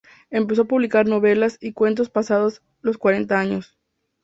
Empezó a publicar novelas y cuentos pasados los cuarenta años.